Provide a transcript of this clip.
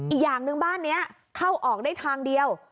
อีกอย่างหนึ่งบ้านนี้เข้าออกได้ทางเดียว